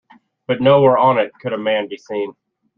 But nowhere on it could a man be seen.